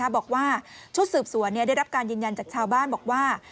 บอกว่าชุดสืบสวนได้รับการยืนยันจากชาวบ้านบอกว่า